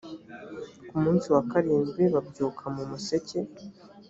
ku munsi wa karindwi babyuka mu museke.